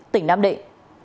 tỉnh nam định